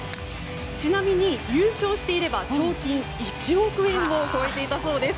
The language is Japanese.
ちなみに、優勝していれば賞金１億円を超えていたそうです。